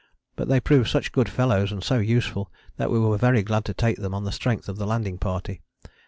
But they proved such good fellows and so useful that we were very glad to take them on the strength of the landing party.